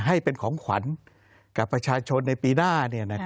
ให้เป็นของขวัญกับประชาชนในปีหน้า